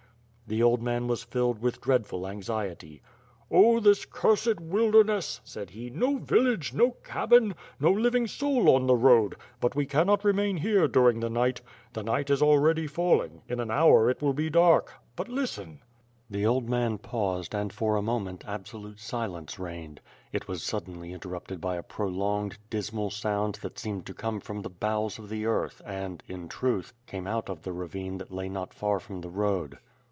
The old man was filled with dreadful anxiety. "Oh this cursed \i^ilderness," said he, "no village, no cabin, no living soul on the road; but we cannot remain here during the night. The night is already falling, in an hour it will be dark, but listen." The old man paused and for a moment absolute silence reigned. It was suddenly interrupted by a prolonged, dismal sound that seemed to come from the bowels of the earth and, in truth, came out of the ravine that lay not far from the road.